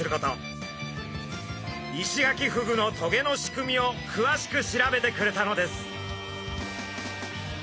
イシガキフグの棘の仕組みをくわしく調べてくれたのです。